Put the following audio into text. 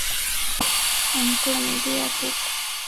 Ankula miguu ya kuku